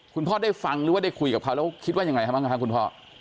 คุณพ่อได้ฟังหรือว่าได้คุยกับเขาแล้วคิดว่ายังไงบ้างคะคุณพ่อ